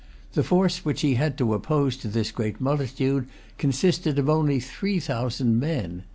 The force which he had to oppose to this great multitude consisted of only three thousand men.